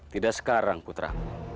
tidak sekarang putra